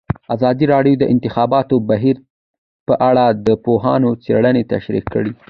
ازادي راډیو د د انتخاباتو بهیر په اړه د پوهانو څېړنې تشریح کړې.